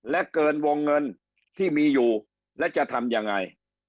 และเกินวงเงินที่มีอยู่และจะทำยังไง